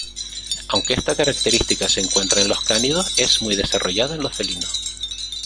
Aunque esta característica se encuentra en los cánidos, es muy desarrollada en los felinos.